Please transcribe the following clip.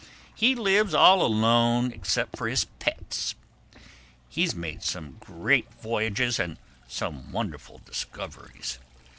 He lives all alone except for his pets. He's made some great voyages and some wonderful discoveries.